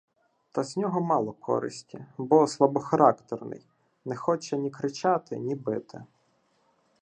Та з нього мало користі, бо слабохарактерний — не хоче ні кричати, ні бити.